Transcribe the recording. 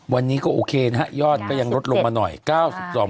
วันนี้คือก็โอเคนะห๊ะยอดก็ยังลดลงมาหน่อย๑๙วันนี้ที่๑๗